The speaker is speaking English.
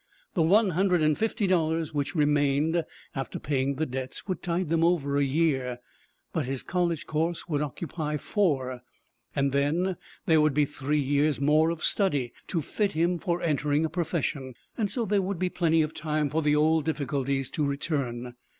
The one hundred and fifty dollars which remained after paying the debts would tide them over a year, but his college course would occupy four; and then there would be three years more of study to fit him for entering a profession, and so there would be plenty of time for the old difficulties to return.